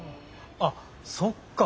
あっそっか！